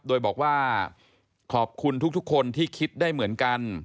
โดยบอกว่าขอบคุณทุกคนที่คิดได้เหมือนกัน